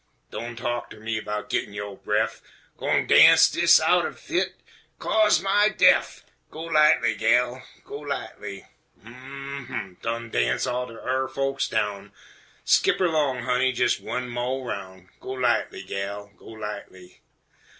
Doan' talk ter me 'bout gittin' yo' bref, Gwine darnse dis out ef hit cause my def! Go lightly, gal, go lightly! Um humph! done darnse all de urr folks down! Skip erlong, honey, jes' one mo' roun'! Go lightly, gal, go lightly!